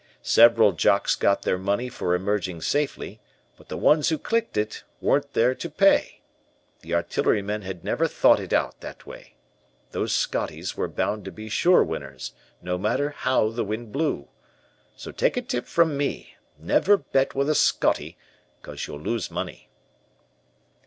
Several 'Jocks' got their money for emerging safely, but the ones who clicked it, weren't there to pay. The artillerymen had never thought it out that way. Those Scotties were bound to be sure winners, no matter how the wind blew. So take a tip from me, never bet with a Scottie, 'cause you'll lose money.